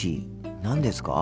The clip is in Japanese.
何ですか？